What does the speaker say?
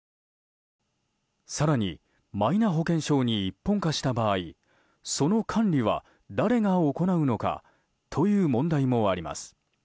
更にマイナ保険証に一本化した場合その管理は誰が行うのかという問題もあります。